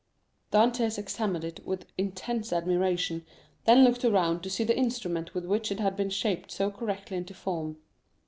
Dantès examined it with intense admiration, then looked around to see the instrument with which it had been shaped so correctly into form.